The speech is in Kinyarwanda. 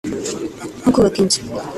nko kubaka inzu